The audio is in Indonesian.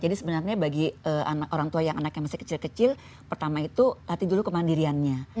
jadi sebenarnya bagi orang tua yang masih kecil kecil pertama itu latih dulu kemandiriannya